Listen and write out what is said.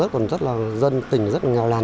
còn rất là dân tỉnh rất là nghèo làn